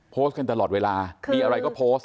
โพสต์กันตลอดเวลามีอะไรก็โพสต์